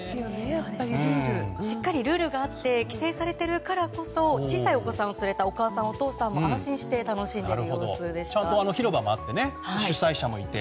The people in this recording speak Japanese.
しっかりルールがあって規制されているからこそ小さいお子さんを連れたお父さん、お母さんも安心してちゃんと広場があって主催者もいて。